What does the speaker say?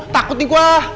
takut nih gue